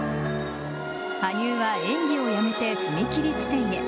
羽生は、演技をやめて踏み切り地点へ。